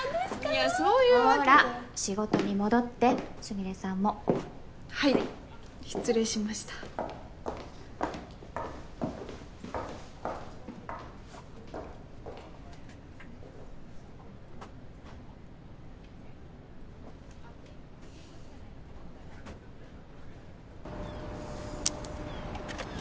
いやそういうわけではほら仕事に戻ってスミレさんもはいはい失礼しましたよ